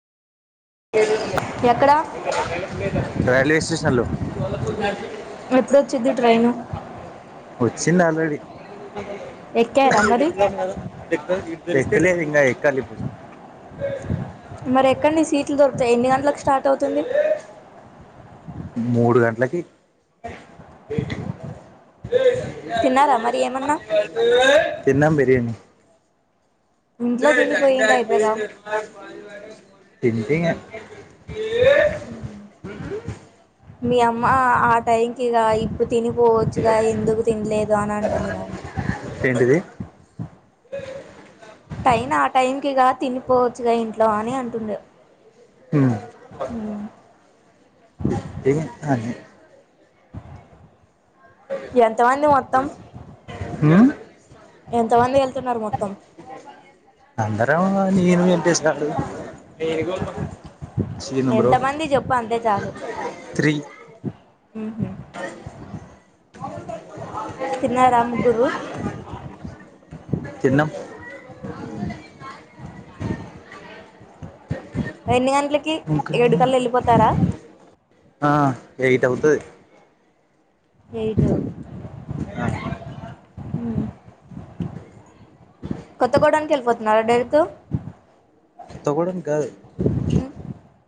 ఎక్క రైల్వే స్టేషన్లో డోచ్చిద్ది ట్రైను చ్చింది అల్రెడి ఎక్కారా మరి ఎక్కలేదు ఇంగ ఎక్ క్కాలిప్పుడు మరి ఎక్కడ నీకు సీట్లు దొరుకుతాయా ఎన్ని గంటలకు స్టార్ట్ అవుతుంది మూడు గంట్లకి తిన్నారా మరి ఏమన్నా తిన్నం బిర్యాణి ఇంట్లో తినిపోయి ఏంటి అయిపోయాగా తింటిగా హుమ్ మీ అమ్మ ఆ టైంకి ఇగ ఇప్పుడ్ తినిపోవచ్చుగా ఎందుకు తినలేదు అని అంటుంది నన్ను ఏంటిది టైన్ ఆ టైం కిగా తినిపోవచ్చుగా ఇంట్లో అని అంటుండు హుమ్ ఆ ఎంతమంది మొత్తం ఉమ్ ఎంతమంది వెల్ అందరం నేను వెంకటేష్ గాడు శ్రీను బ్రో ఎంతమంది చెప్పు అంతే చాలు త్రీ అ తిన్నారా ముగ్గురు తిన్నం ఎన్ని గంటలకి ఇంకా ఏడుకళ్ళ ఎళ్ళిపోతారా ఆ ఎయిట్ అవుతది ఏయిటు ఆ హుమ్ కొత్త గోడానికేళ్ళిపోతున్నారా డైరెక్ట్ కొత్తగూడం కాదు